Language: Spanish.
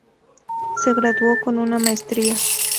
Se graduó con una Maestría.